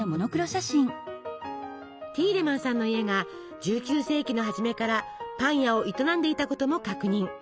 ティーレマンさんの家が１９世紀の初めからパン屋を営んでいたことも確認。